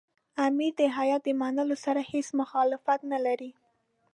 امیر د هیات د منلو سره هېڅ مخالفت نه لري.